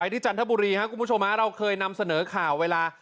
จันทบุรีครับคุณผู้ชมเราเคยนำเสนอข่าวเวลา